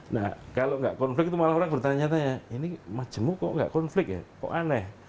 nah kalau nggak konflik itu malah orang bertanya tanya ini majemuk kok nggak konflik ya kok aneh